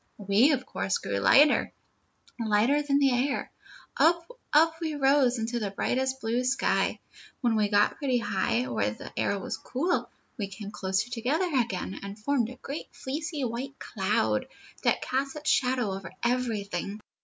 "We, of course, grew lighter, lighter than the air. Up, up we rose into the bright blue sky. When we got pretty high, where the air was cool, we came closer together again and formed a great fleecy white cloud, that cast its shadow over everything.